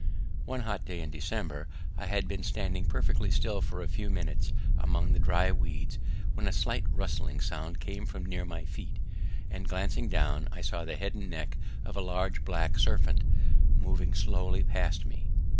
One hot day in December I had been standing perfectly still for a few minutes among the dry weeds when a slight rustling sound came from near my feet, and glancing down I saw the head and neck of a large black serpent moving slowly past me.